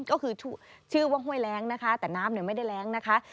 ก็คือชื่อว่าห้วยแรงนะคะแต่น้ำไม่ได้แรงนะคะ